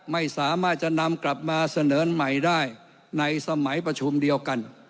ไม่สามารถจะนำกลับมาเสนอใหม่ได้ในสมัยประชุมเดียวกัน